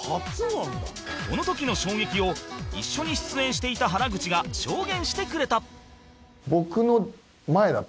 この時の衝撃を一緒に出演していた原口が証言してくれた